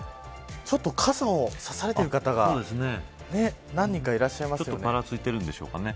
ちょっと傘をさされている方が何人かいらっしゃいますね。